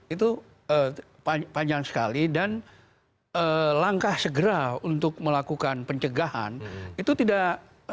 itu panjang sekali dan langkah segera untuk melakukan pencegahan itu tidak